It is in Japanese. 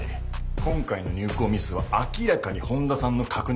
今回の入稿ミスは明らかに本田さんの確認